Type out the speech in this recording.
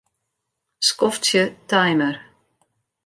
Skoftsje timer.